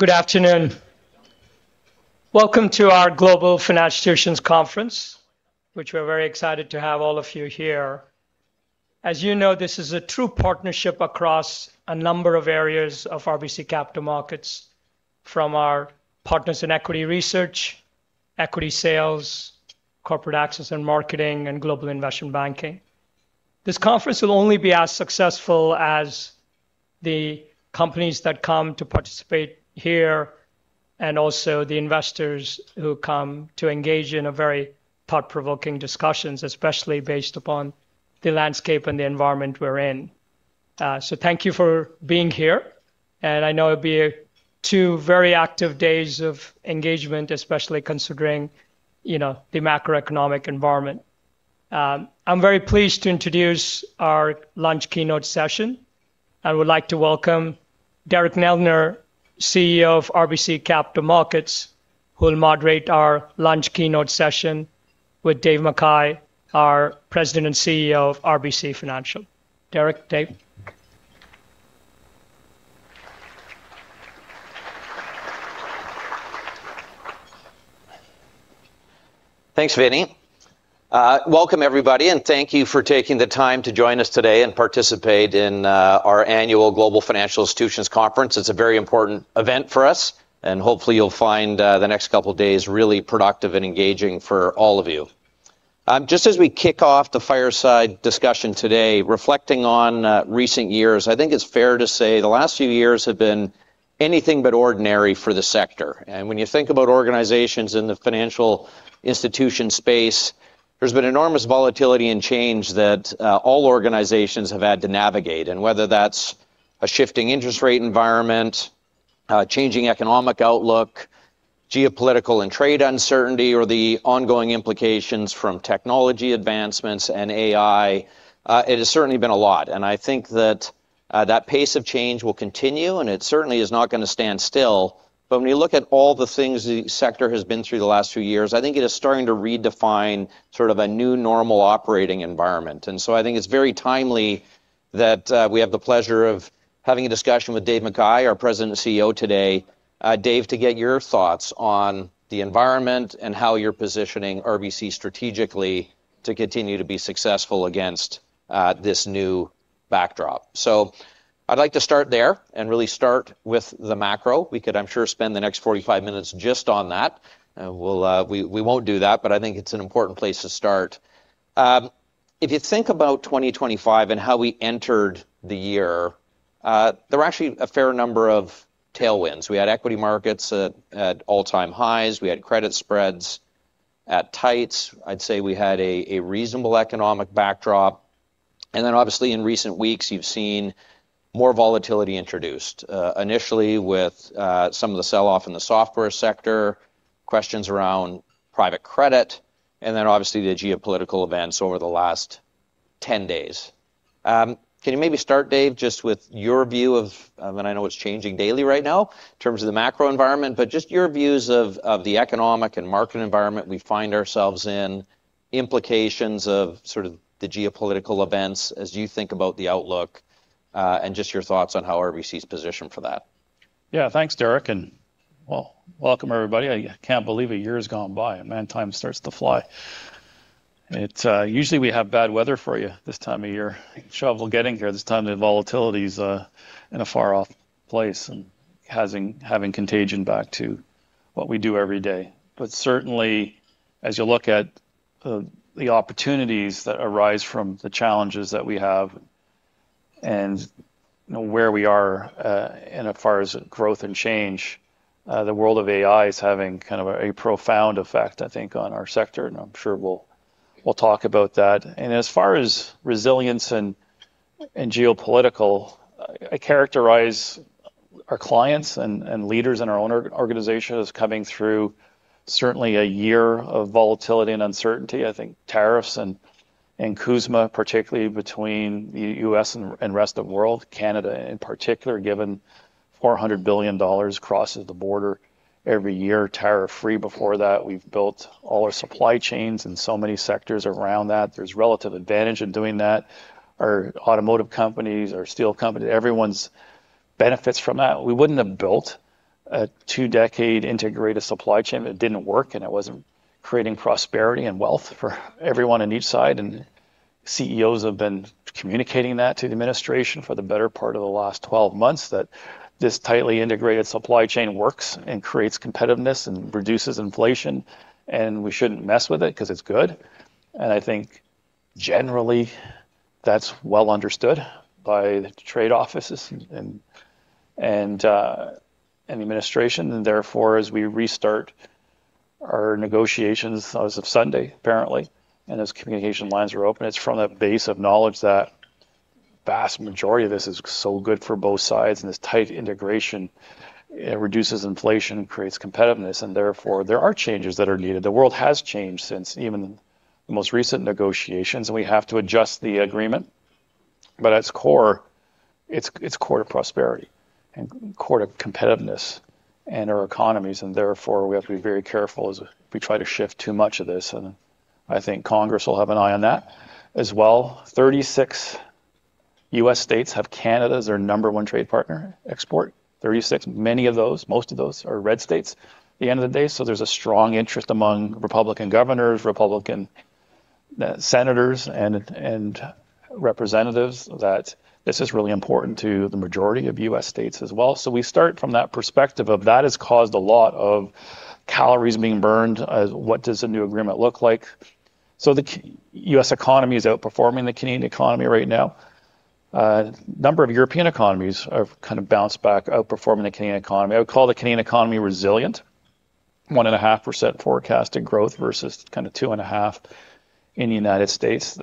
Good afternoon. Welcome to our Global Financial Institutions Conference, which we're very excited to have all of you here. As you know, this is a true partnership across a number of areas of RBC Capital Markets from our partners in equity research, equity sales, corporate access and marketing, and global investment banking. This conference will only be as successful as the companies that come to participate here, and also the investors who come to engage in a very thought-provoking discussions, especially based upon the landscape and the environment we're in. Thank you for being here, and I know it'll be two very active days of engagement, especially considering, you know, the macroeconomic environment. I'm very pleased to introduce our lunch keynote session. I would like to welcome Derek Neldner, CEO of RBC Capital Markets, who will moderate our lunch keynote session with Dave McKay, our President and CEO of RBC. Derek, Dave. Thanks, Vinnie. Welcome everybody, and thank you for taking the time to join us today and participate in our annual Global Financial Institutions Conference. It's a very important event for us, and hopefully you'll find the next couple of days really productive and engaging for all of you. Just as we kick off the fireside discussion today, reflecting on recent years, I think it's fair to say the last few years have been anything but ordinary for the sector. When you think about organizations in the financial institution space, there's been enormous volatility and change that all organizations have had to navigate. Whether that's a shifting interest rate environment, a changing economic outlook, geopolitical and trade uncertainty, or the ongoing implications from technology advancements and AI, it has certainly been a lot. I think that pace of change will continue, and it certainly is not gonna stand still. When you look at all the things the sector has been through the last few years, I think it is starting to redefine sort of a new normal operating environment. I think it's very timely that we have the pleasure of having a discussion with Dave McKay, our President and CEO today, Dave, to get your thoughts on the environment and how you're positioning RBC strategically to continue to be successful against this new backdrop. I'd like to start there and really start with the macro. We could, I'm sure, spend the next 45 minutes just on that. We won't do that, but I think it's an important place to start. If you think about 2025 and how we entered the year, there were actually a fair number of tailwinds. We had equity markets at all-time highs. We had credit spreads at tights. I'd say we had a reasonable economic backdrop. Then obviously in recent weeks, you've seen more volatility introduced, initially with some of the sell-off in the software sector, questions around private credit, and then obviously the geopolitical events over the last 10 days. Can you maybe start, Dave, just with your view of, and I know it's changing daily right now, in terms of the macro environment, but just your views of the economic and market environment we find ourselves in, implications of sort of the geopolitical events as you think about the outlook, and just your thoughts on how RBC's positioned for that. Yeah. Thanks, Derek, and well, welcome, everybody. I can't believe a year has gone by. Man, time starts to fly. We usually have bad weather for you this time of year. Shoveling to get here this time, the volatility's in a far-off place and having contagion back to what we do every day. But certainly, as you look at the opportunities that arise from the challenges that we have and where we are, and as far as growth and change, the world of AI is having kind of a profound effect, I think, on our sector, and I'm sure we'll talk about that. As far as resilience and geopolitical, I characterize our clients and leaders in our own organization as coming through certainly a year of volatility and uncertainty. I think tariffs and CUSMA, particularly between the U.S. and rest of world, Canada in particular, given 400 billion dollars crosses the border every year tariff-free. Before that, we've built all our supply chains in so many sectors around that. There's relative advantage in doing that. Our automotive companies, our steel company, everyone benefits from that. We wouldn't have built a two-decade integrated supply chain if it didn't work and it wasn't creating prosperity and wealth for everyone on each side. CEOs have been communicating that to the administration for the better part of the last 12 months, that this tightly integrated supply chain works and creates competitiveness and reduces inflation, and we shouldn't mess with it 'cause it's good. I think generally that's well understood by the trade offices and the administration. Therefore, as we restart our negotiations as of Sunday, apparently, and as communication lines are open, it's from the base of knowledge that vast majority of this is so good for both sides, and this tight integration, it reduces inflation, creates competitiveness, and therefore there are changes that are needed. The world has changed since even the most recent negotiations, and we have to adjust the agreement. At its core, it's core to prosperity and core to competitiveness and our economies, and therefore we have to be very careful as we try to shift too much of this. I think Congress will have an eye on that as well. 36 U.S. states have Canada as their number one trade partner export, 36. Many of those, most of those are red states at the end of the day. There's a strong interest among Republican governors, Republican senators, and representatives that this is really important to the majority of U.S. states as well. We start from that perspective of that has caused a lot of calories being burned. What does a new agreement look like? The U.S. economy is outperforming the Canadian economy right now. A number of European economies have kind of bounced back, outperforming the Canadian economy. I would call the Canadian economy resilient. 1.5% forecasted growth versus kind of 2.5% in the United States.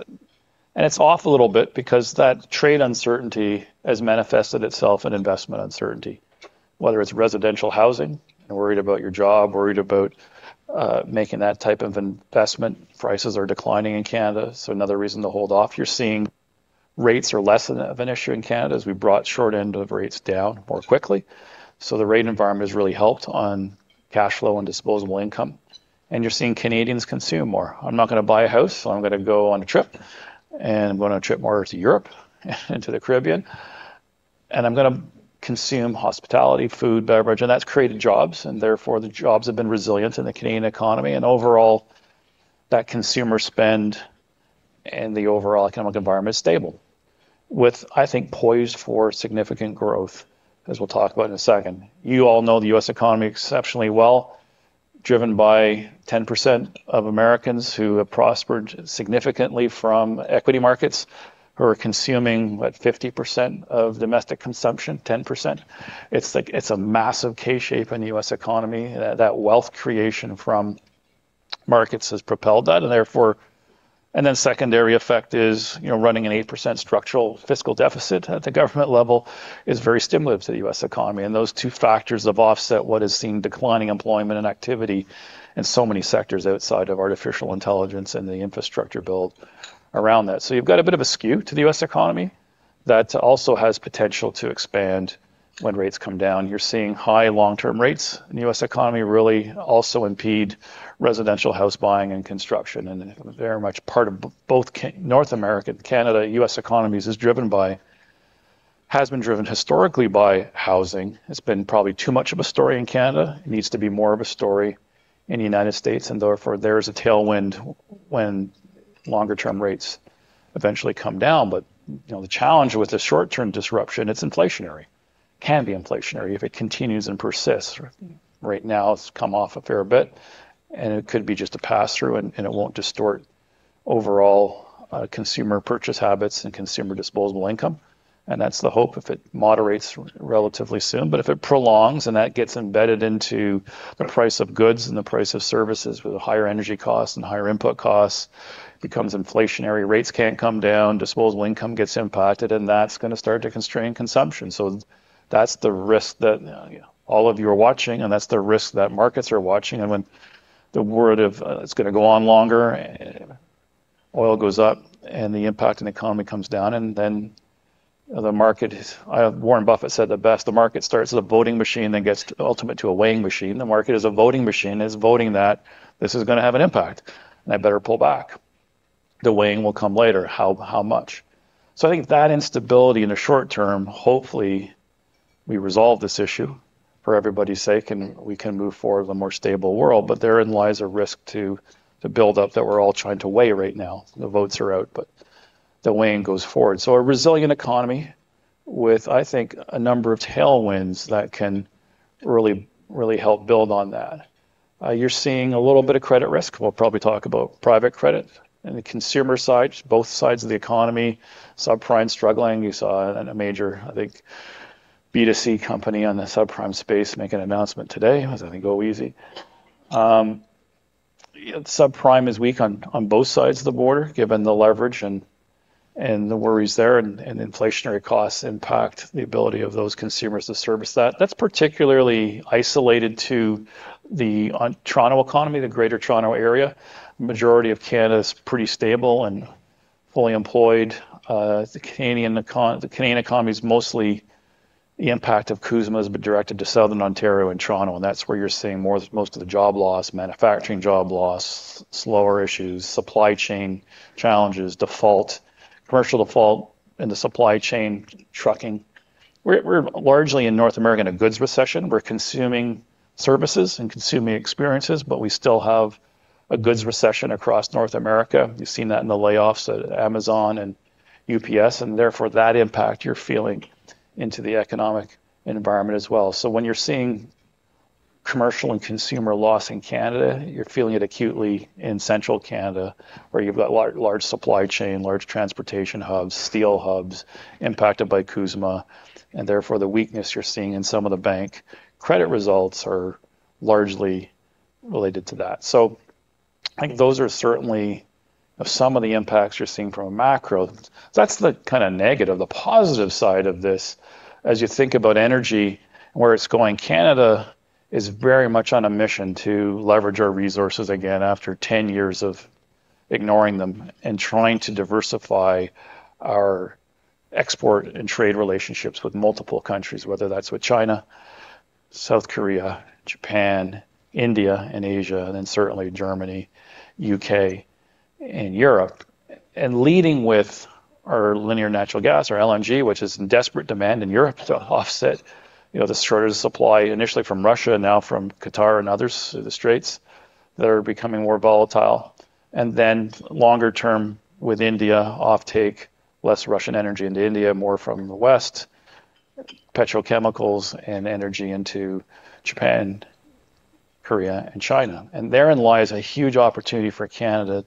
It's off a little bit because that trade uncertainty has manifested itself in investment uncertainty, whether it's residential housing and worried about your job, worried about making that type of investment. Prices are declining in Canada, so another reason to hold off. You're seeing rates are less of an issue in Canada as we brought short end of rates down more quickly. The rate environment has really helped on cash flow and disposable income, and you're seeing Canadians consume more. I'm not gonna buy a house, so I'm gonna go on a trip, and I'm gonna travel more to Europe and to the Caribbean, and I'm gonna consume hospitality, food, beverage. That's created jobs, and therefore the jobs have been resilient in the Canadian economy. Overall, that consumer spend and the overall economic environment is stable with, I think, poised for significant growth, as we'll talk about in a second. You all know the U.S. economy exceptionally well, driven by 10% of Americans who have prospered significantly from equity markets, who are consuming, what, 50% of domestic consumption, 10%. It's a massive K-shape in the U.S. economy. That wealth creation from markets has propelled that. Secondary effect is, you know, running an 8% structural fiscal deficit at the government level is very stimulative to the U.S. economy. Those two factors have offset what has seen declining employment and activity in so many sectors outside of artificial intelligence and the infrastructure built around that. You've got a bit of a skew to the U.S. economy that also has potential to expand when rates come down. You're seeing high long-term rates in the U.S. economy really also impede residential house buying and construction. Very much part of both North America, Canada, U.S. economies has been driven historically by housing. It's been probably too much of a story in Canada. It needs to be more of a story in the United States. Therefore, there is a tailwind when longer-term rates eventually come down. You know, the challenge with the short-term disruption, it's inflationary. Can be inflationary if it continues and persists. Right now, it's come off a fair bit, and it could be just a pass-through, and it won't distort overall, consumer purchase habits and consumer disposable income. That's the hope if it moderates relatively soon. If it prolongs and that gets embedded into the price of goods and the price of services with higher energy costs and higher input costs, becomes inflationary, rates can't come down, disposable income gets impacted, and that's gonna start to constrain consumption. That's the risk that all of you are watching, and that's the risk that markets are watching. When the word of it's gonna go on longer, oil goes up, and the impact on the economy comes down, and then the market. Warren Buffett said it best. The market starts as a voting machine then gets ultimate to a weighing machine. The market as a voting machine is voting that this is gonna have an impact, and I better pull back. The weighing will come later. How much? I think that instability in the short term, hopefully, we resolve this issue for everybody's sake, and we can move forward with a more stable world. Therein lies a risk to the build-up that we're all trying to weigh right now. The votes are out, but the weighing goes forward. A resilient economy with, I think, a number of tailwinds that can really, really help build on that. You're seeing a little bit of credit risk. We'll probably talk about private credit and the consumer side, both sides of the economy. Subprime struggling. You saw a major, I think, B2C company on the subprime space make an announcement today. It was, I think, go easy. Subprime is weak on both sides of the border, given the leverage and the worries there and inflationary costs impact the ability of those consumers to service that. That's particularly isolated to the Toronto economy, the Greater Toronto Area. Majority of Canada is pretty stable and fully employed. The Canadian economy is mostly the impact of CUSMA has been directed to Southern Ontario and Toronto, and that's where you're seeing most of the job loss, manufacturing job loss, slower issues, supply chain challenges, default, commercial default in the supply chain, trucking. We're largely in North America in a goods recession. We're consuming services and consuming experiences, but we still have a goods recession across North America. You've seen that in the layoffs at Amazon and UPS, and therefore that impact you're feeling into the economic environment as well. When you're seeing commercial and consumer loss in Canada, you're feeling it acutely in central Canada, where you've got large supply chain, large transportation hubs, steel hubs impacted by CUSMA, and therefore the weakness you're seeing in some of the bank credit results are largely related to that. I think those are certainly some of the impacts you're seeing from a macro. That's the kind of negative. The positive side of this, as you think about energy and where it's going, Canada is very much on a mission to leverage our resources again after 10 years of ignoring them and trying to diversify our export and trade relationships with multiple countries, whether that's with China, South Korea, Japan, India and Asia, and then certainly Germany, U.K. and Europe. Leading with our liquefied natural gas, our LNG, which is in desperate demand in Europe to offset, you know, the shorter supply initially from Russia, now from Qatar and others through the Straits that are becoming more volatile. Then longer term with India offtake less Russian energy into India, more from the West, petrochemicals and energy into Japan, Korea and China. Therein lies a huge opportunity for Canada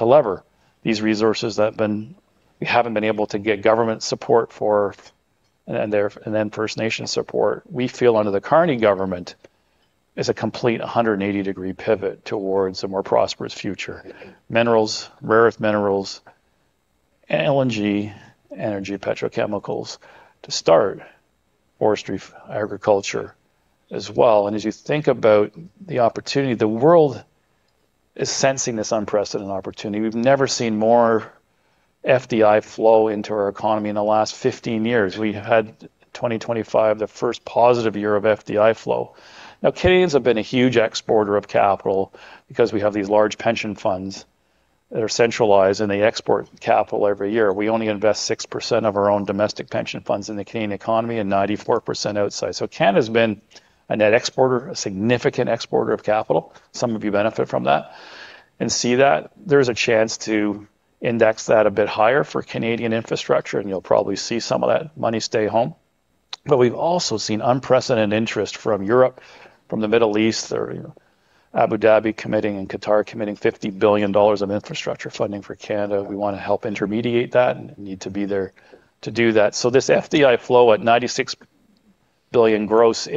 to leverage these resources that we haven't been able to get government support for and then First Nations support. We feel under the Carney government is a complete 180-degree pivot towards a more prosperous future. Minerals, rare earth minerals, LNG, energy petrochemicals to start, forestry, agriculture as well. As you think about the opportunity, the world is sensing this unprecedented opportunity. We've never seen more FDI flow into our economy in the last 15 years. We had 2025, the first positive year of FDI flow. Now, Canadians have been a huge exporter of capital because we have these large pension funds that are centralized, and they export capital every year. We only invest 6% of our own domestic pension funds in the Canadian economy and 94% outside. Canada's been a net exporter, a significant exporter of capital. Some of you benefit from that and see that. There's a chance to index that a bit higher for Canadian infrastructure, and you'll probably see some of that money stay home. We've also seen unprecedented interest from Europe, from the Middle East or, you know, Abu Dhabi committing and Qatar committing 50 billion dollars of infrastructure funding for Canada. We want to help intermediate that and need to be there to do that. This FDI flow at 96 billion gross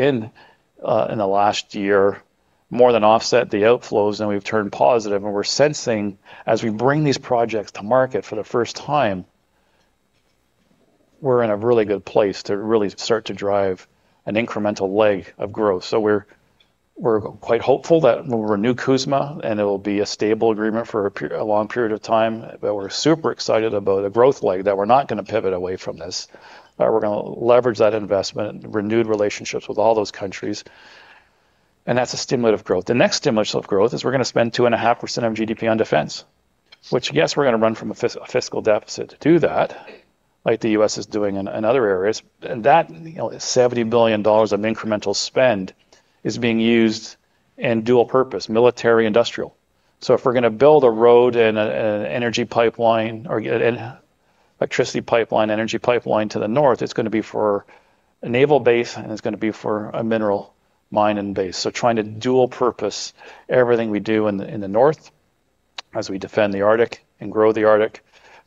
in the last year more than offset the outflows. We've turned positive, and we're sensing as we bring these projects to market for the first time, we're in a really good place to really start to drive an incremental leg of growth. We're quite hopeful that we'll renew CUSMA, and it will be a stable agreement for a long period of time. We're super excited about a growth leg that we're not going to pivot away from this, but we're going to leverage that investment, renewed relationships with all those countries, and that's a stimulant of growth. The next stimulus of growth is we're going to spend 2.5% of GDP on defense, which, yes, we're going to run a fiscal deficit to do that, like the U.S. is doing in other areas. That 70 billion dollars of incremental spend is being used in dual purpose, military, industrial. If we're going to build a road and an energy pipeline or an electricity pipeline, energy pipeline to the north, it's going to be for a naval base, and it's going to be for a mineral mining base. Trying to dual purpose everything we do in the north as we defend the Arctic and grow the Arctic.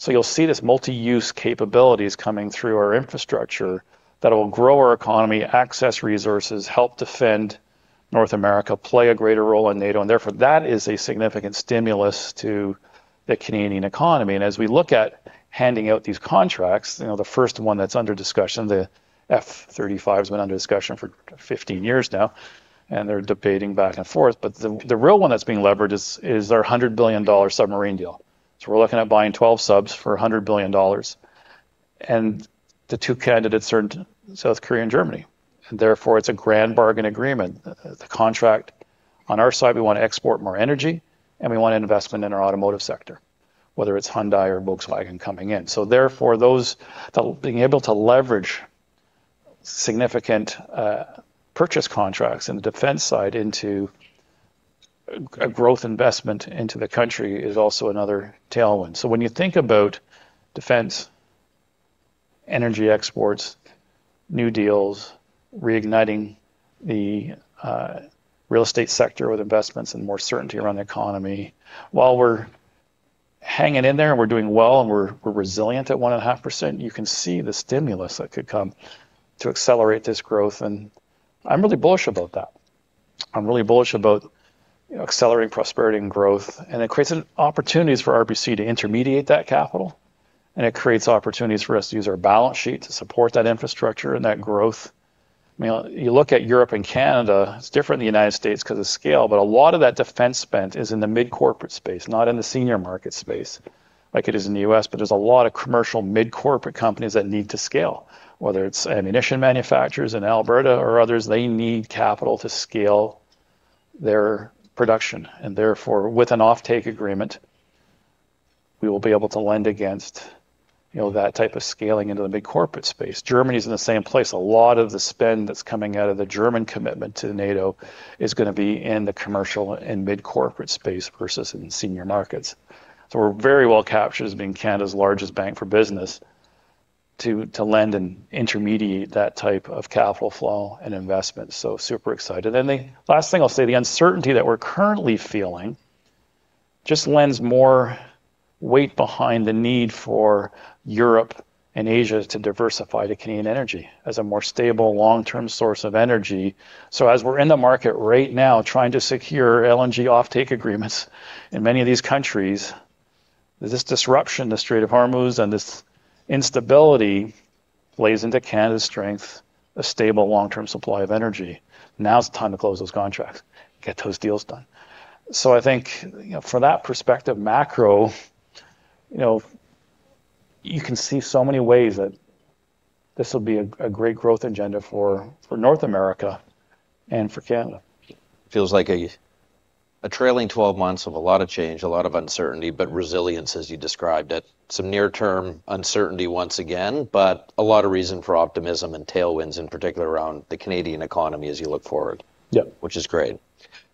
You'll see this multi-use capabilities coming through our infrastructure that will grow our economy, access resources, help defend North America, play a greater role in NATO, and therefore that is a significant stimulus to the Canadian economy. As we look at handing out these contracts, you know, the first one that's under discussion, the F-35 has been under discussion for 15 years now, and they're debating back and forth. The real one that's being leveraged is our 100 billion dollar submarine deal. We're looking at buying 12 subs for 100 billion dollars. The two candidates are South Korea and Germany, therefore it's a grand bargain agreement. The contract on our side, we want to export more energy, and we want an investment in our automotive sector, whether it's Hyundai or Volkswagen coming in. Therefore, those being able to leverage significant purchase contracts in the defense side into a growth investment into the country is also another tailwind. When you think about defense, energy exports, new deals, reigniting the real estate sector with investments and more certainty around the economy. While we're hanging in there and we're doing well and we're resilient at 1.5%, you can see the stimulus that could come to accelerate this growth. I'm really bullish about that. I'm really bullish about accelerating prosperity and growth, and it creates opportunities for RBC to intermediate that capital, and it creates opportunities for us to use our balance sheet to support that infrastructure and that growth. You know, you look at Europe and Canada, it's different in the United States because of scale, but a lot of that defense spend is in the mid-corporate space, not in the senior market space like it is in the U.S.. There's a lot of commercial mid-corporate companies that need to scale, whether it's ammunition manufacturers in Alberta or others, they need capital to scale their production. Therefore, with an offtake agreement, we will be able to lend against, you know, that type of scaling into the big corporate space. Germany's in the same place. A lot of the spend that's coming out of the German commitment to NATO is going to be in the commercial and mid-corporate space versus in senior markets. We're very well captured as being Canada's largest bank for business to lend and intermediate that type of capital flow and investment. Super excited. The last thing I'll say, the uncertainty that we're currently feeling just lends more weight behind the need for Europe and Asia to diversify to Canadian energy as a more stable long-term source of energy. As we're in the market right now trying to secure LNG offtake agreements in many of these countries, this disruption, the Strait of Hormuz, and this instability plays into Canada's strength, a stable long-term supply of energy. Now is the time to close those contracts, get those deals done. I think, you know, from that perspective, macro, you know. You can see so many ways that this will be a great growth agenda for North America and for Canada. Feels like a trailing 12 months of a lot of change, a lot of uncertainty, but resilience as you described it. Some near term uncertainty once again, but a lot of reason for optimism and tailwinds in particular around the Canadian economy as you look forward. Yep. Which is great.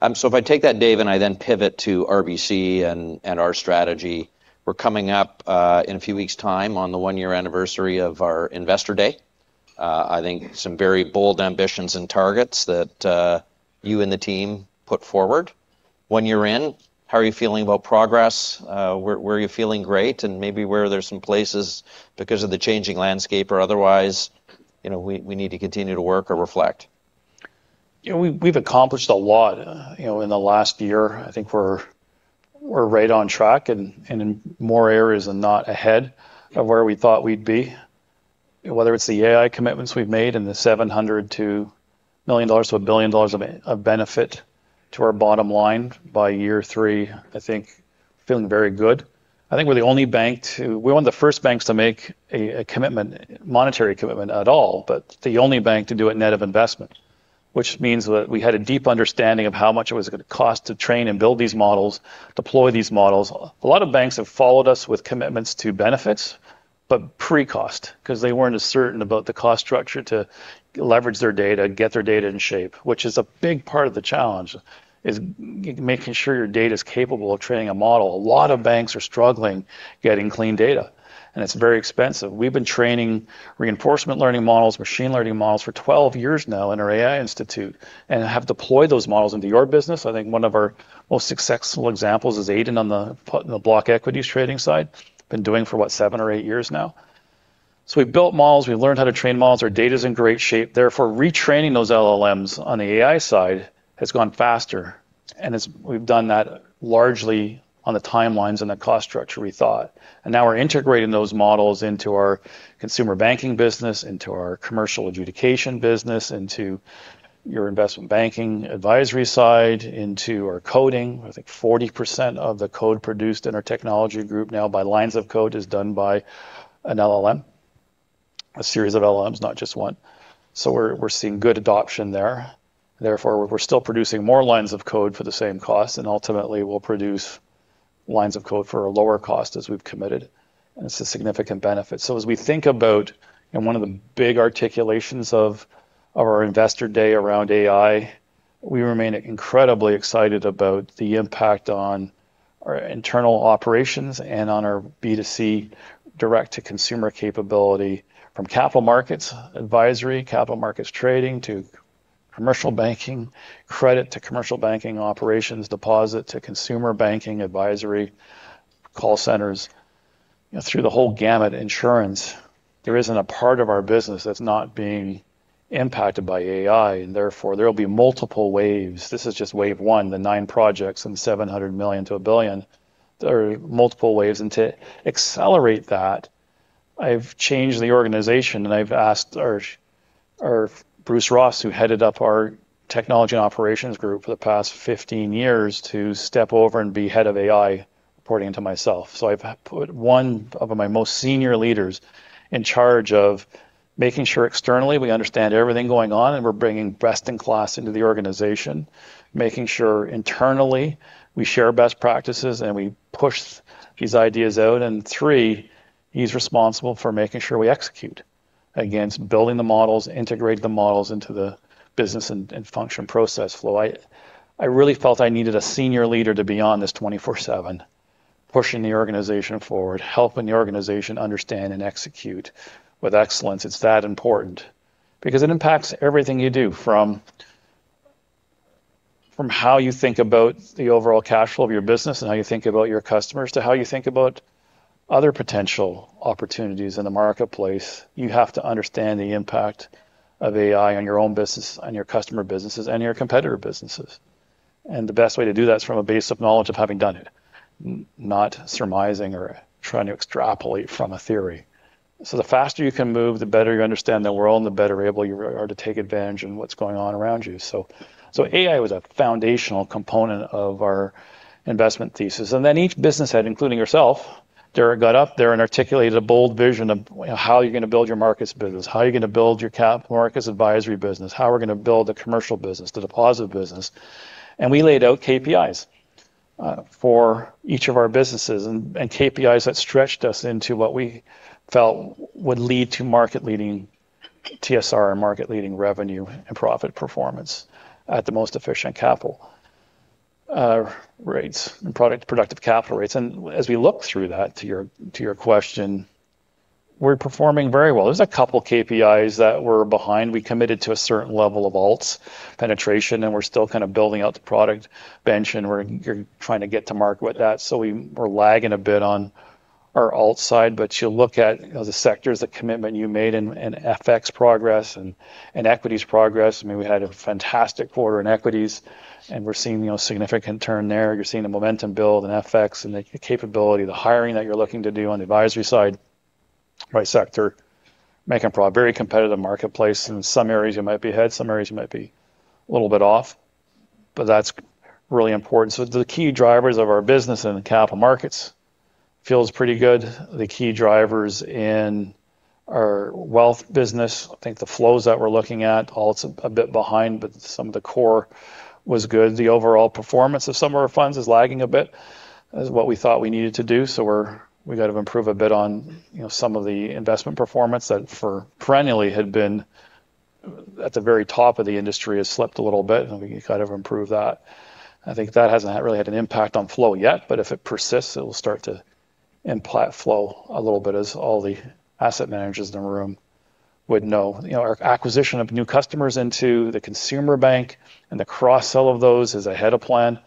If I take that Dave, and I then pivot to RBC and our strategy, we're coming up in a few weeks' time on the one-year anniversary of our Investor Day. I think some very bold ambitions and targets that you and the team put forward. One year in, how are you feeling about progress? Where are you feeling great and maybe where there's some places because of the changing landscape or otherwise, you know, we need to continue to work or reflect? You know, we've accomplished a lot, you know, in the last year. I think we're right on track and in more areas than not ahead of where we thought we'd be. Whether it's the AI commitments we've made and the 700 million-1 billion dollars of benefit to our bottom line by year three, I think feeling very good. I think we're one of the first banks to make a monetary commitment at all, but the only bank to do it net of investment. Which means that we had a deep understanding of how much it was gonna cost to train and build these models, deploy these models. A lot of banks have followed us with commitments to benefits, but because they weren't as certain about the cost structure to leverage their data, get their data in shape, which is a big part of the challenge, is making sure your data is capable of training a model. A lot of banks are struggling getting clean data, and it's very expensive. We've been training reinforcement learning models, machine learning models for 12 years now in our AI institute and have deployed those models into your business. I think one of our most successful examples is Aiden on the block equities trading side. Been doing for what? Seven or eight years now. We've built models, we've learned how to train models. Our data's in great shape. Therefore, retraining those LLMs on the AI side has gone faster, and it's. We've done that largely on the timelines and the cost structure we thought. Now we're integrating those models into our consumer banking business, into our commercial adjudication business, into your investment banking advisory side, into our coding. I think 40% of the code produced in our technology group now by lines of code is done by an LLM. A series of LLMs, not just one. We're seeing good adoption there. Therefore, we're still producing more lines of code for the same cost, and ultimately we'll produce lines of code for a lower cost as we've committed, and it's a significant benefit. As we think about, in one of the big articulations of our Investor Day around AI, we remain incredibly excited about the impact on our internal operations and on our B2C direct to consumer capability from capital markets advisory, capital markets trading to commercial banking credit, to commercial banking operations, deposit to consumer banking advisory call centers. You know, through the whole gamut insurance. There isn't a part of our business that's not being impacted by AI, and therefore, there'll be multiple waves. This is just wave one, the nine projects and 700 million-1 billion. There are multiple waves. To accelerate that, I've changed the organization, and I've asked our Bruce Ross, who headed up our technology and operations group for the past 15 years to step over and be head of AI, reporting into myself. I've put one of my most senior leaders in charge of making sure externally we understand everything going on, and we're bringing best in class into the organization. Making sure internally we share best practices, and we push these ideas out. Three, he's responsible for making sure we execute against building the models, integrate the models into the business and function process flow. I really felt I needed a senior leader to be on this 24/7, pushing the organization forward, helping the organization understand and execute with excellence. It's that important because it impacts everything you do from how you think about the overall cash flow of your business and how you think about your customers to how you think about other potential opportunities in the marketplace. You have to understand the impact of AI on your own business, on your customer businesses, and your competitor businesses. The best way to do that is from a base of knowledge of having done it, not surmising or trying to extrapolate from a theory. The faster you can move, the better you understand the world, and the better able you are to take advantage in what's going on around you. AI was a foundational component of our investment thesis. Then each business head, including yourself, Derek, got up there and articulated a bold vision of how you're gonna build your markets business, how you're gonna build your capital markets advisory business, how we're gonna build the commercial business, the deposit business. We laid out KPIs for each of our businesses and KPIs that stretched us into what we felt would lead to market leading TSR and market leading revenue and profit performance at the most efficient capital rates and product productive capital rates. As we look through that, to your question, we're performing very well. There's a couple KPIs that we're behind. We committed to a certain level of alts penetration, and we're still kind of building out the product bench, and we're trying to get to market with that. We're lagging a bit on our alt side. You look at the sectors, the commitment you made in FX progress and in equities progress. I mean, we had a fantastic quarter in equities, and we're seeing, you know, significant turn there. You're seeing the momentum build in FX and the capability, the hiring that you're looking to do on the advisory side, right sector, very competitive marketplace. In some areas, you might be ahead, some areas you might be a little bit off. That's really important. The key drivers of our business and the capital markets feels pretty good. The key drivers in our wealth business, I think the flows that we're looking at, although it's a bit behind, but some of the core was good. The overall performance of some of our funds is lagging a bit. It's what we thought we needed to do, we got to improve a bit on, you know, some of the investment performance that perennially had been at the very top of the industry has slipped a little bit, and we could kind of improve that. I think that hasn't really had an impact on flow yet, but if it persists, it will start to impact flow a little bit as all the asset managers in the room would know. You know, our acquisition of new customers into the consumer bank and the cross-sell of those is ahead of plan.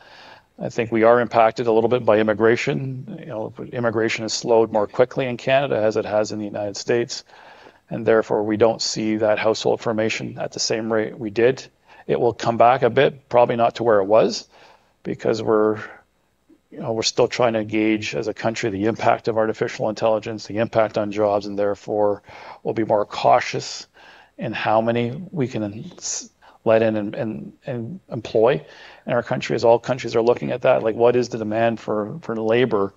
I think we are impacted a little bit by immigration. You know, immigration has slowed more quickly in Canada as it has in the United States, and therefore, we don't see that household formation at the same rate we did. It will come back a bit, probably not to where it was because we're, you know, we're still trying to gauge as a country the impact of artificial intelligence, the impact on jobs, and therefore will be more cautious in how many we can let in and employ in our country as all countries are looking at that. Like, what is the demand for labor?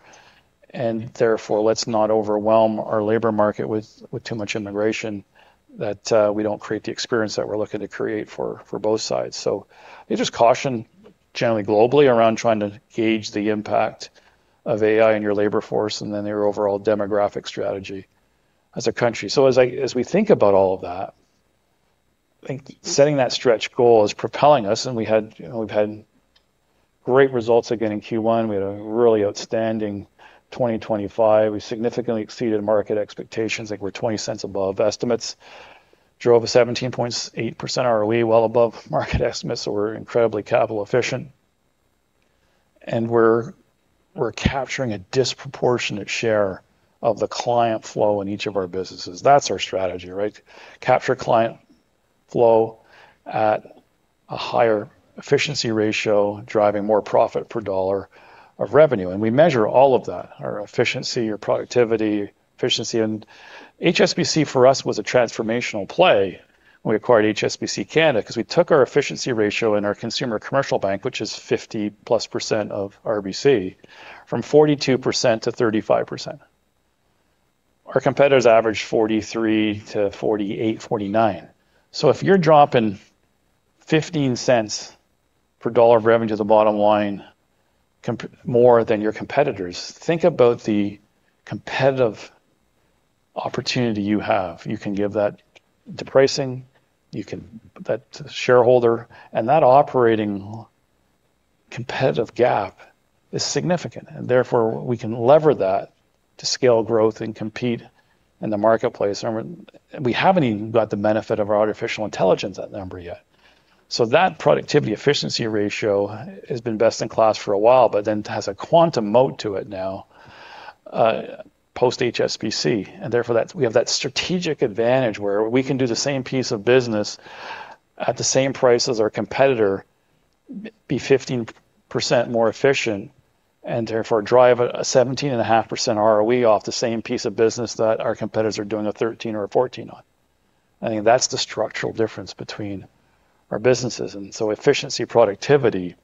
Therefore, let's not overwhelm our labor market with too much immigration that we don't create the experience that we're looking to create for both sides. I just caution generally globally around trying to gauge the impact of AI in your labor force and then your overall demographic strategy as a country. As we think about all of that, I think setting that stretch goal is propelling us, you know, we've had great results again in Q1. We had a really outstanding 2025. We significantly exceeded market expectations, like we're 0.20 above estimates, drove a 17.8% ROE well above market estimates. We're incredibly capital efficient, and we're capturing a disproportionate share of the client flow in each of our businesses. That's our strategy, right? Capture client flow at a higher efficiency ratio, driving more profit per dollar of revenue. We measure all of that. Our efficiency, your productivity, efficiency. HSBC for us was a transformational play when we acquired HSBC Canada because we took our efficiency ratio in our consumer commercial bank, which is +50% of RBC, from 42% to 35%. Our competitors average 43%-49%. If you're dropping 0.15 per dollar of revenue to the bottom line more than your competitors, think about the competitive opportunity you have. You can give that to pricing, you can put that to shareholder. That operating competitive gap is significant, and therefore we can lever that to scale growth and compete in the marketplace. We haven't even got the benefit of our artificial intelligence at number yet. That productivity efficiency ratio has been best in class for a while, but then has a quantum mode to it now, post HSBC. We have that strategic advantage where we can do the same piece of business at the same price as our competitor, be 15% more efficient, and therefore drive a 17.5% ROE off the same piece of business that our competitors are doing a 13% or a 14% on. I think that's the structural difference between our businesses. Efficiency, productivity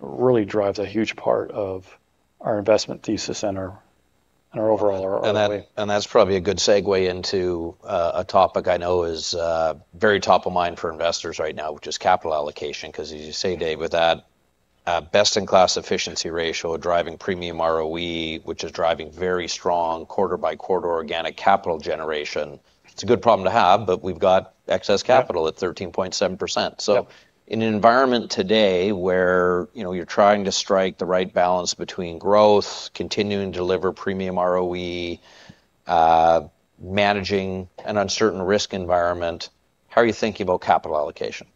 really drives a huge part of our investment thesis and our overall ROE. That's probably a good segue into a topic I know is very top of mind for investors right now, which is capital allocation. 'Cause as you say, Dave, with that, best-in-class efficiency ratio driving premium ROE, which is driving very strong quarter-by-quarter organic capital generation. It's a good problem to have, but we've got excess capital at 13.7%. In an environment today where, you know, you're trying to strike the right balance between growth, continuing to deliver premium ROE, managing an uncertain risk environment, how are you thinking about capital allocation?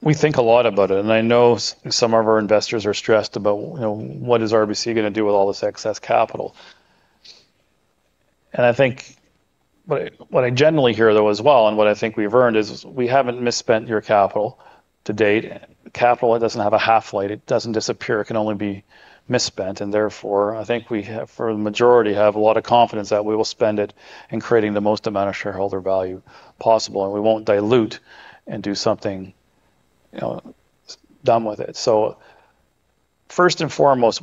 We think a lot about it, and I know some of our investors are stressed about, you know, what is RBC gonna do with all this excess capital. I think what I generally hear though as well, and what I think we've earned is we haven't misspent your capital to date. Capital, it doesn't have a half-life. It doesn't disappear. It can only be misspent. Therefore, I think we have for the majority a lot of confidence that we will spend it in creating the most amount of shareholder value possible, and we won't dilute and do something, you know, dumb with it. First and foremost,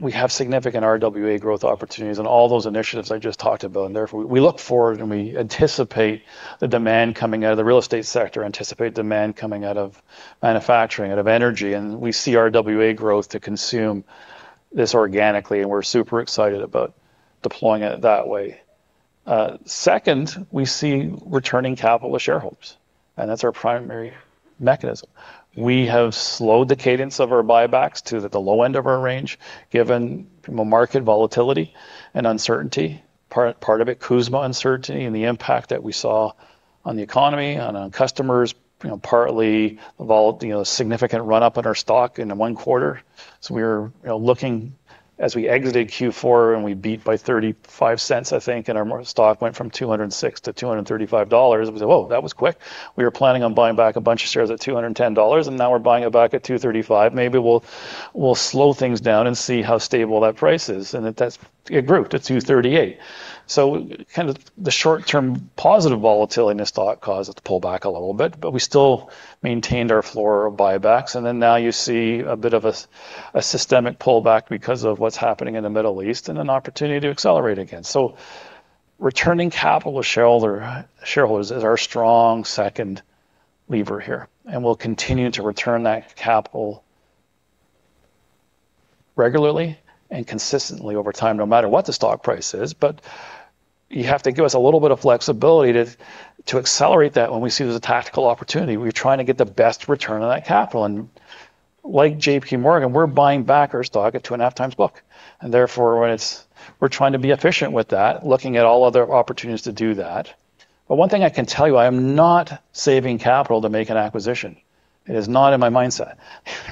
we have significant RWA growth opportunities and all those initiatives I just talked about. Therefore, we look forward, and we anticipate the demand coming out of the real estate sector, anticipate demand coming out of manufacturing, out of energy, and we see RWA growth to consume this organically, and we're super excited about deploying it that way. Second, we see returning capital to shareholders, and that's our primary mechanism. We have slowed the cadence of our buybacks to the low end of our range, given market volatility and uncertainty. Part of it, CUSMA uncertainty and the impact that we saw on the economy, on our customers, you know, partly, you know, significant run-up in our stock in one quarter. We're, you know, looking as we exited Q4, and we beat by 0.35, I think, and our stock went from 206 to 235 dollars. It was like, "Whoa, that was quick." We were planning on buying back a bunch of shares at 210 dollars, and now we're buying it back at 235. Maybe we'll slow things down and see how stable that price is, and that it grew to 238. Kind of the short-term positive volatility in the stock caused it to pull back a little bit, but we still maintained our floor of buybacks. Then now you see a bit of a systemic pullback because of what's happening in the Middle East and an opportunity to accelerate again. Returning capital to shareholders is our strong second lever here. We'll continue to return that capital regularly and consistently over time, no matter what the stock price is. You have to give us a little bit of flexibility to accelerate that when we see there's a tactical opportunity. We're trying to get the best return on that capital. Like JPMorgan, we're buying back our stock at 2.5x book. We're trying to be efficient with that, looking at all other opportunities to do that. One thing I can tell you, I am not saving capital to make an acquisition. It is not in my mindset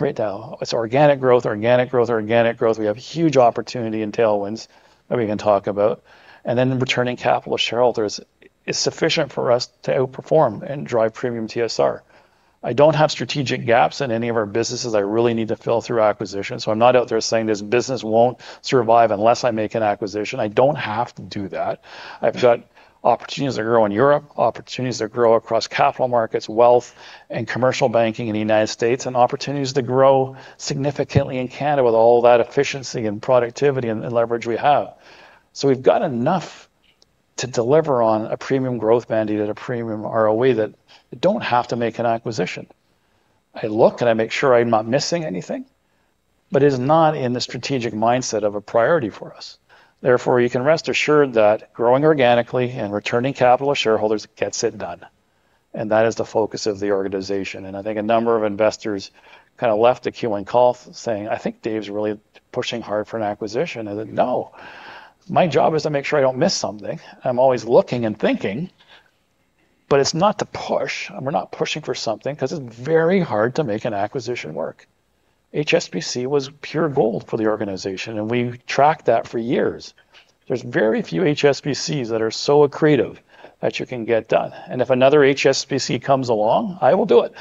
right now. It's organic growth. We have huge opportunity and tailwinds that we can talk about. Returning capital to shareholders is sufficient for us to outperform and drive premium TSR. I don't have strategic gaps in any of our businesses I really need to fill through acquisition. I'm not out there saying this business won't survive unless I make an acquisition. I don't have to do that. I've got opportunities to grow in Europe, opportunities to grow across capital markets, wealth and commercial banking in the United States, and opportunities to grow significantly in Canada with all that efficiency and productivity and leverage we have. We've got enough to deliver on a premium growth mandate at a premium ROE that don't have to make an acquisition. I look and I make sure I'm not missing anything, but it is not in the strategic mindset of a priority for us. Therefore, you can rest assured that growing organically and returning capital to shareholders gets it done, and that is the focus of the organization. I think a number of investors kind of left the Q1 call saying, "I think Dave's really pushing hard for an acquisition." I said, "No. My job is to make sure I don't miss something. I'm always looking and thinking, but it's not to push." We're not pushing for something because it's very hard to make an acquisition work. HSBC was pure gold for the organization, and we tracked that for years. There's very few HSBCs that are so accretive that you can get done. If another HSBC comes along, I will do it,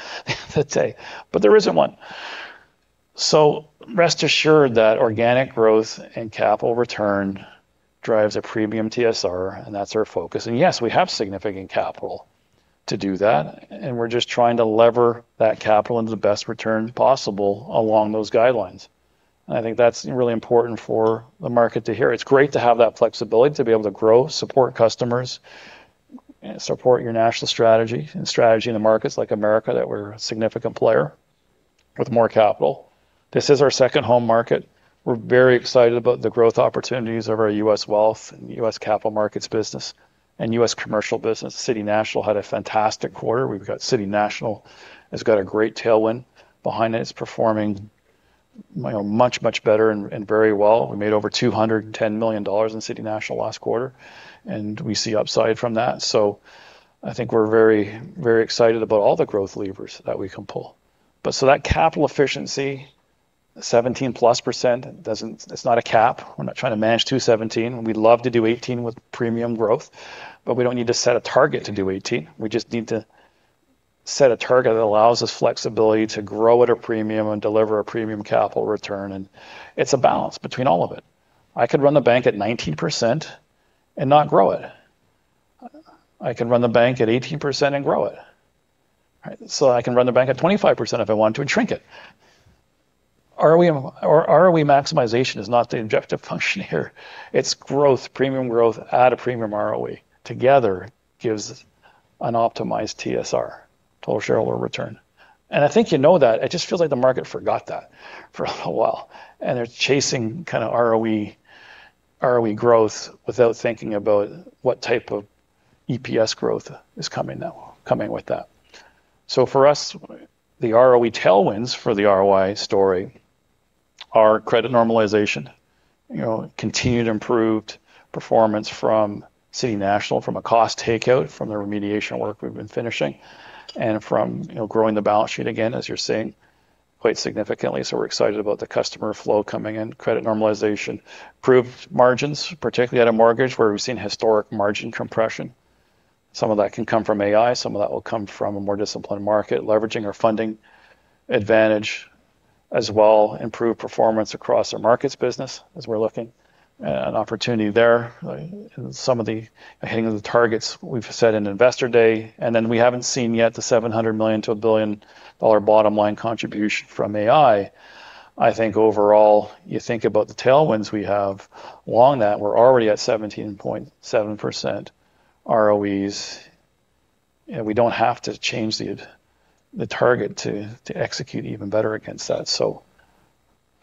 let's say, but there isn't one. Rest assured that organic growth and capital return drives a premium TSR, and that's our focus. Yes, we have significant capital to do that, and we're just trying to lever that capital into the best return possible along those guidelines. I think that's really important for the market to hear. It's great to have that flexibility to be able to grow, support customers, and support your national strategy in the markets like America, that we're a significant player with more capital. This is our second home market. We're very excited about the growth opportunities of our U.S. wealth and U.S. capital markets business and U.S. commercial business. City National had a fantastic quarter. We've got City National. It's got a great tailwind behind it. It's performing, you know, much better and very well. We made over 210 million dollars in City National last quarter, and we see upside from that. I think we're very, very excited about all the growth levers that we can pull. That capital efficiency +17% doesn't. It's not a cap. We're not trying to manage 17%. We'd love to do 18% with premium growth, but we don't need to set a target to do 18%. We just need to set a target that allows us flexibility to grow at a premium and deliver a premium capital return. It's a balance between all of it. I could run the bank at 19% and not grow it. I could run the bank at 18% and grow it, right? I can run the bank at 25% if I want to and shrink it. ROE, or ROE maximization is not the objective function here. It's growth, premium growth at a premium ROE together gives an optimized TSR, total shareholder return. I think you know that. It just feels like the market forgot that for a while, and they're chasing kind of ROE growth without thinking about what type of EPS growth is coming now, coming with that. For us, the ROE tailwinds for the ROI story are credit normalization, you know, continued improved performance from City National, from a cost takeout, from the remediation work we've been finishing, and from, you know, growing the balance sheet again, as you're seeing quite significantly. We're excited about the customer flow coming in, credit normalization, improved margins, particularly in the mortgage, where we've seen historic margin compression. Some of that can come from AI, some of that will come from a more disciplined market, leveraging our funding advantage as well, improved performance across our markets business as we're looking at an opportunity there. Some of the hitting of the targets we've set in Investor Day. We haven't seen yet the 700 million-1 billion dollar bottom line contribution from AI. I think overall, you think about the tailwinds we have along that, we're already at 17.7% ROEs, and we don't have to change the target to execute even better against that.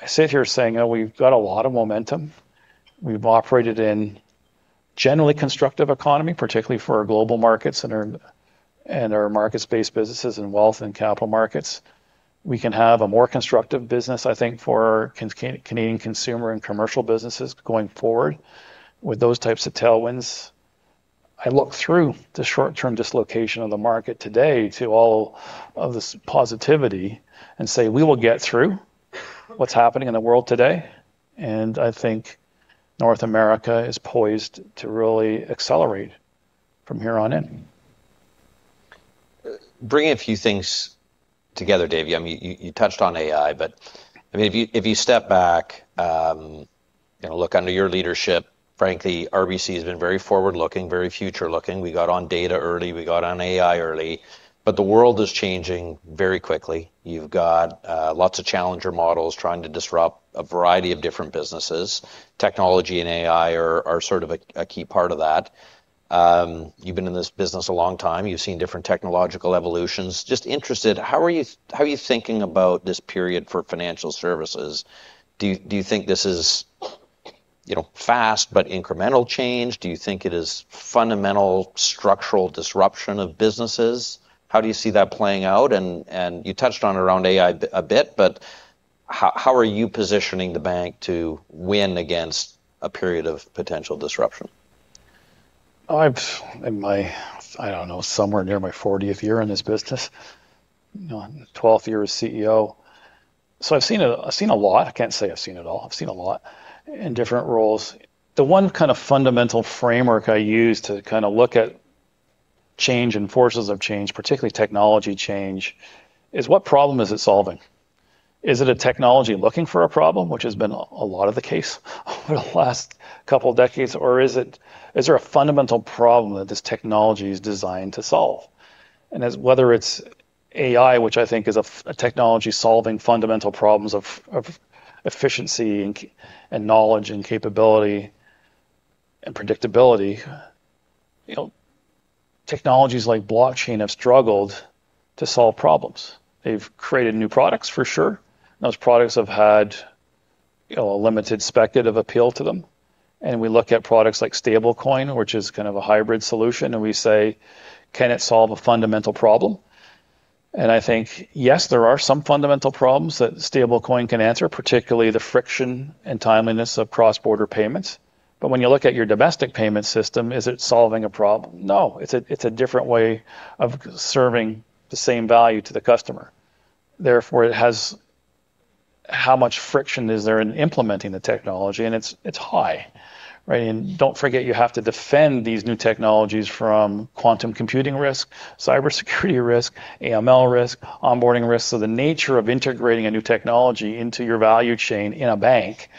I sit here saying, "Oh, we've got a lot of momentum." We've operated in generally constructive economy, particularly for our global markets and our markets-based businesses and wealth and capital markets. We can have a more constructive business, I think, for Canadian consumer and commercial businesses going forward with those types of tailwinds. I look through the short-term dislocation of the market today to all of this positivity and say, "We will get through what's happening in the world today." I think North America is poised to really accelerate from here on in. Bringing a few things together, Dave. I mean, you touched on AI, but I mean, if you step back, you know, look under your leadership, frankly, RBC has been very forward-looking, very future-looking. We got on data early, we got on AI early, but the world is changing very quickly. You've got lots of challenger models trying to disrupt a variety of different businesses. Technology and AI are sort of a key part of that. You've been in this business a long time. You've seen different technological evolutions. Just interested, how are you thinking about this period for financial services? Do you think this is, you know, fast but incremental change? Do you think it is fundamental structural disruption of businesses? How do you see that playing out? You touched on around AI a bit, but how are you positioning the bank to win against a period of potential disruption? In my, I don't know, somewhere near my fortieth year in this business. You know, 12th year as CEO. I've seen a lot. I can't say I've seen it all. I've seen a lot in different roles. The one kind of fundamental framework I use to kind of look at change and forces of change, particularly technology change, is what problem is it solving? Is it a technology looking for a problem? Which has been a lot of the case over the last couple decades. Is there a fundamental problem that this technology is designed to solve? Whether it's AI, which I think is a technology solving fundamental problems of efficiency and knowledge and capability and predictability. You know, technologies like blockchain have struggled to solve problems. They've created new products for sure. Those products have had, you know, a limited speculative appeal to them. We look at products like stablecoin, which is kind of a hybrid solution, and we say, "Can it solve a fundamental problem?" I think, yes, there are some fundamental problems that stablecoin can answer, particularly the friction and timeliness of cross-border payments. When you look at your domestic payment system, is it solving a problem? No. It's a different way of serving the same value to the customer. Therefore, it has. How much friction is there in implementing the technology? It's high, right? Don't forget, you have to defend these new technologies from quantum computing risk, cybersecurity risk, AML risk, onboarding risk. The nature of integrating a new technology into your value chain in a bank,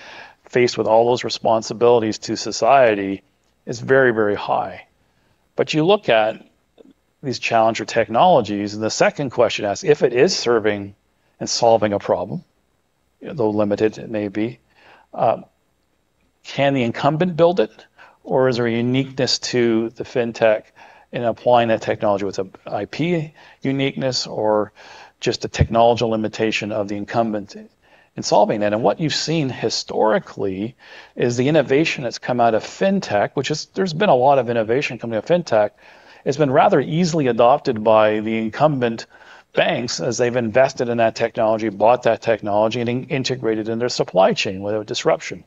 faced with all those responsibilities to society, is very, very high. You look at these challenger technologies, and the second question asked, if it is serving and solving a problem, you know, though limited it may be, can the incumbent build it? Or is there a uniqueness to the fintech in applying that technology with IP uniqueness or just a technological limitation of the incumbent in solving that? What you've seen historically is the innovation that's come out of fintech, there's been a lot of innovation coming out of fintech, has been rather easily adopted by the incumbent banks as they've invested in that technology, bought that technology, and integrated in their supply chain without disruption.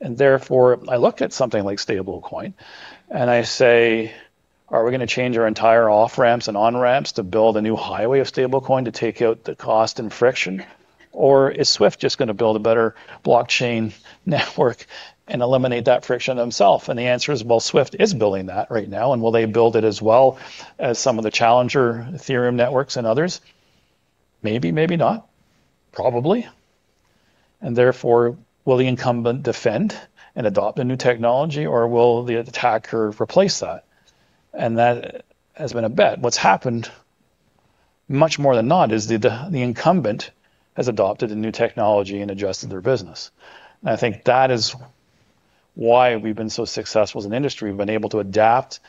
Therefore, I look at something like stablecoin, and I say, "Are we gonna change our entire off-ramps and on-ramps to build a new highway of stablecoin to take out the cost and friction? Is SWIFT just gonna build a better blockchain network and eliminate that friction themselves?" The answer is, well, SWIFT is building that right now, and will they build it as well as some of the challenger Ethereum networks and others? Maybe, maybe not. Probably. Therefore, will the incumbent defend and adopt a new technology, or will the attacker replace that? That has been a bet. What's happened much more than not is the incumbent has adopted a new technology and adjusted their business. I think that is why we've been so successful as an industry. We've been able to adapt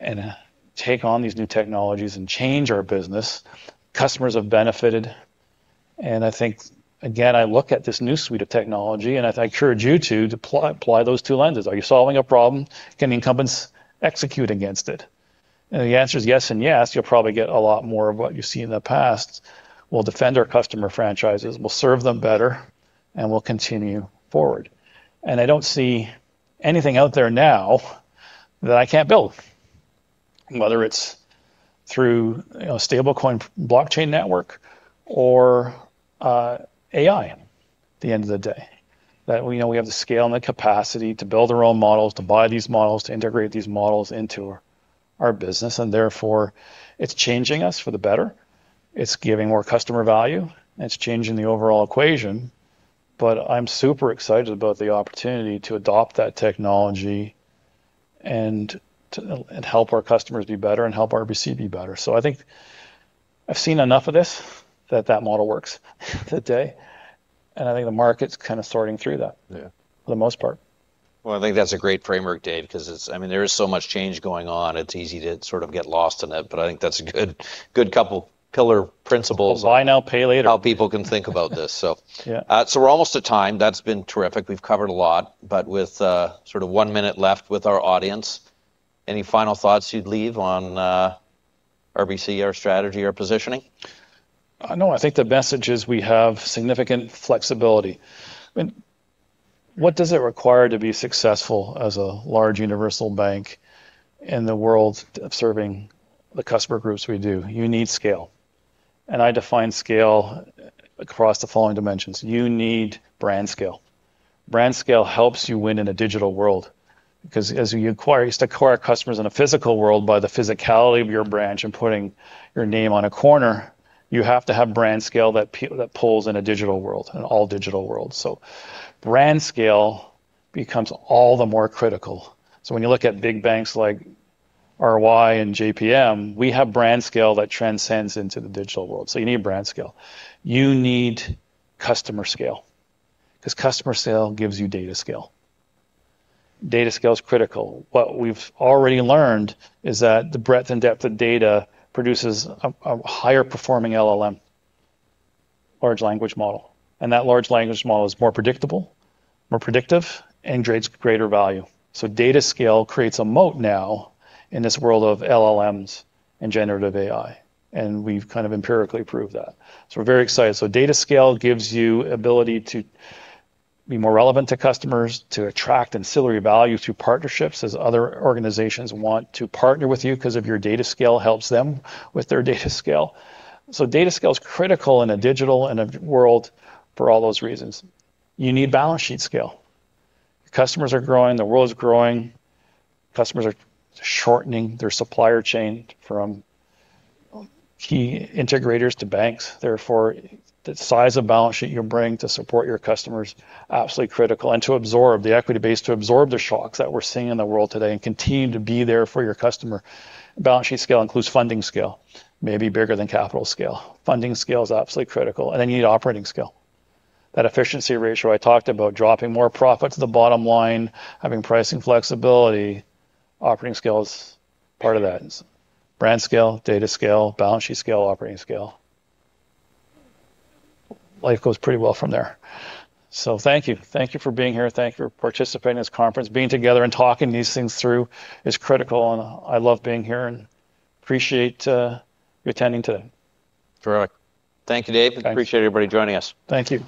and take on these new technologies and change our business. Customers have benefited. I think, again, I look at this new suite of technology, and I encourage you to apply those two lenses. Are you solving a problem? Can the incumbents execute against it? If the answer is yes and yes, you'll probably get a lot more of what you see in the past. We'll defend our customer franchises, we'll serve them better, and we'll continue forward. I don't see anything out there now that I can't build, whether it's through, you know, stablecoin blockchain network or AI at the end of the day. That we know we have the scale and the capacity to build our own models, to buy these models, to integrate these models into our business, and therefore it's changing us for the better. It's giving more customer value, and it's changing the overall equation. I'm super excited about the opportunity to adopt that technology and help our customers be better and help RBC be better. I think I've seen enough of this that model works today, and I think the market's kind of sorting through that. For the most part. Well, I think that's a great framework, Dave, 'cause it's, I mean, there is so much change going on, it's easy to sort of get lost in it. I think that's a good couple pillar principles. Buy now, pay later. How people can think about this. We're almost at time. That's been terrific. We've covered a lot, but with sort of one minute left with our audience, any final thoughts you'd leave on RBC, our strategy, our positioning? No, I think the message is we have significant flexibility. I mean, what does it require to be successful as a large universal bank in the world of serving the customer groups we do? You need scale, and I define scale across the following dimensions. You need brand scale. Brand scale helps you win in a digital world, 'cause as you used to acquire customers in a physical world by the physicality of your branch and putting your name on a corner, you have to have brand scale that pulls in a digital world, an all digital world. Brand scale becomes all the more critical. When you look at big banks like RY and JPM, we have brand scale that transcends into the digital world. You need brand scale. You need customer scale, 'cause customer scale gives you data scale. Data scale is critical. What we've already learned is that the breadth and depth of data produces a higher performing LLM, large language model, and that large language model is more predictable, more predictive, and creates greater value. Data scale creates a moat now in this world of LLMs and generative AI, and we've kind of empirically proved that. We're very excited. Data scale gives you ability to be more relevant to customers, to attract ancillary value through partnerships, as other organizations want to partner with you 'cause of your data scale helps them with their data scale. Data scale is critical in a digital and a world for all those reasons. You need balance sheet scale. Customers are growing, the world is growing. Customers are shortening their supplier chain from key integrators to banks. Therefore, the size of balance sheet you bring to support your customers, absolutely critical, and to absorb the equity base, to absorb the shocks that we're seeing in the world today and continue to be there for your customer. Balance sheet scale includes funding scale, maybe bigger than capital scale. Funding scale is absolutely critical. You need operating scale. That efficiency ratio I talked about, dropping more profit to the bottom line, having pricing flexibility, operating scale is part of that. Brand scale, data scale, balance sheet scale, operating scale. Life goes pretty well from there. Thank you. Thank you for being here. Thank you for participating in this conference. Being together and talking these things through is critical, and I love being here and appreciate you attending today. Terrific. Thank you, Dave. Thanks. Appreciate everybody joining us. Thank you.